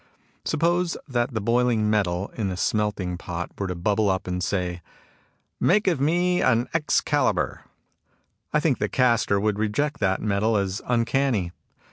Suppose that the boiling metal in a smelting pot were to bubble up and say :" Make of me an Excalibur "; I think the caster would reject that metal as uncanny.